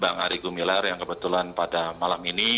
bang ari gumilar yang kebetulan pada malam ini